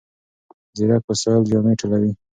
ځیرک وسایل جامې ټولوي.